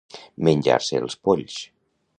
Menjar-se'l els polls.